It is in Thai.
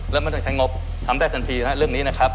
แล้วไม่ต้องใช้งบทำได้ทันทีฮะเรื่องนี้นะครับ